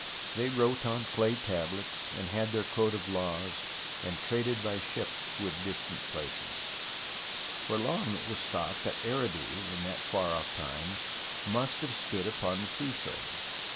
They wrote on clay tablets, and had their code of laws, and traded by ship with distant places. For long it was thought that Eridu in that far off time must have stood upon the seashore.